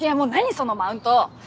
そのマウント。